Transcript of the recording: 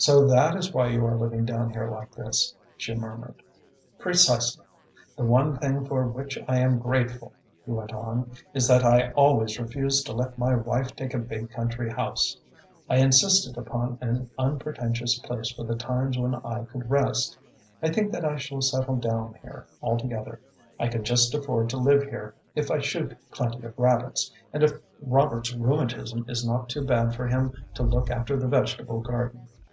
"So that is why you are living down here like this?" she murmured. "Precisely! The one thing for which I am grateful," he went on, "is that I always refused to let my wife take a big country house. I insisted upon an unpretentious place for the times when I could rest. I think that I shall settle down here altogether. I can just afford to live here if I shoot plenty of rabbits, and if Robert's rheumatism is not too bad for him to look after the vegetable garden."